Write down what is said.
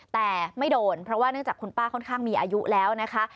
แต่ไม่โดนเพราะว่าเนื่องจากคุณป้าค่อนข้างมีอายุแล้วนะคะ